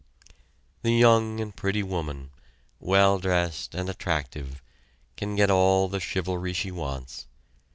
The young and pretty woman, well dressed and attractive, can get all the chivalry she wants.